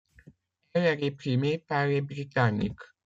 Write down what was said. Elle est réprimée par les Britanniques.